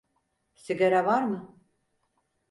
Sigara var mı?